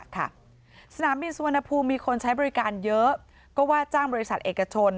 สนามบินสุวรรณภูมิมีคนใช้บริการเยอะก็ว่าจ้างบริษัทเอกชน